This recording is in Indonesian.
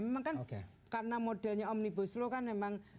memang kan karena modelnya omnibus law kan memang